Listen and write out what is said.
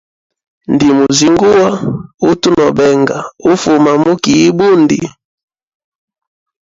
Ndimuzinguwa utu no benga ufuma mu kii ibundi.